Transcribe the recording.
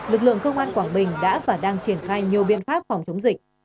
lực lượng công an quảng bình đã và đang triển khai nhiều biện pháp phòng chống dịch